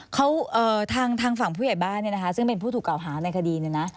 เขาทางฝั่งผู้ใหญ่บ้านซึ่งเป็นผู้ถูกเก่าหาในคดีน